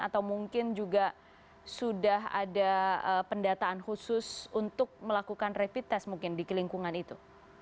atau mungkin juga sudah ada pendataan khusus untuk melakukan rapid test mungkin di lingkungan itu